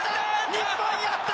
日本やった！